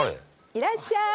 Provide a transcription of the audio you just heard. いらっしゃい。